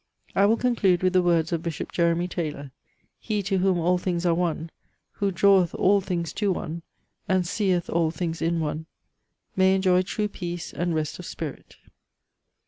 I will conclude with the words of Bishop Jeremy Taylor: "He to whom all things are one, who draweth all things to one, and seeth all things in one, may enjoy true peace and rest of spirit."